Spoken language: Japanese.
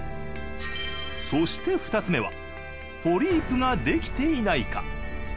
そして２つ目はポリープができていないか。